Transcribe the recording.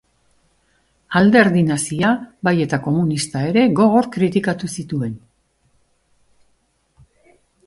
Alderdi nazia, bai eta komunista ere gogor kritikatu zituen.